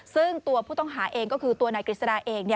ซึ่งตัวผู้ต้องหาเองก็คือตัวนายกฤษฎาเอง